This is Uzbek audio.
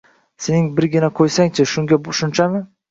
Sening birgina Qo`ysang-chi, shunga shunchami